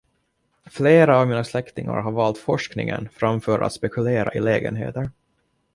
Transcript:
Flera av mina släktingar har valt forskningen framför att spekulera i lägenheter.